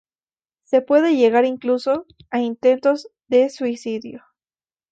Se puede llegar incluso a intentos de suicidio.